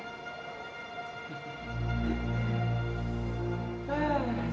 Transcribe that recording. hah selamat pagi pak